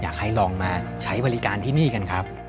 อยากให้ลองมาใช้บริการที่นี่กันครับ